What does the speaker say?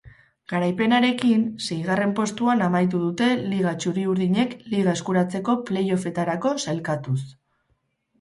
Garaipenarekin seigarren postuan amaitu dute liga txuri-urdinek liga eskuratzeko play off-etarako sailkatuz.